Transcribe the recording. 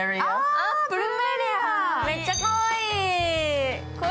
めっちゃかわいい。